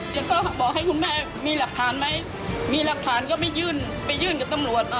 เขาบอกให้คุณแม่มีหลักฐานไหมมีหลักฐานก็ไม่ยื่นไปยื่นกับตำรวจ